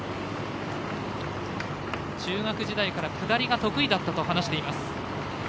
中学時代から下りが得意だったと話しています。